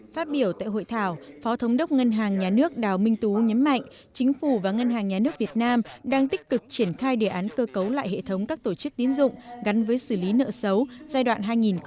phát biểu tại hội thảo phó thống đốc ngân hàng nhà nước đào minh tú nhấn mạnh chính phủ và ngân hàng nhà nước việt nam đang tích cực triển khai đề án cơ cấu lại hệ thống các tổ chức tiến dụng gắn với xử lý nợ xấu giai đoạn hai nghìn một mươi sáu hai nghìn hai mươi